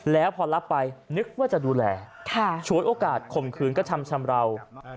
แล้วพอรับไปนึกว่าจะดูแลชวยโอกาสข่มขืนกระทำชำราว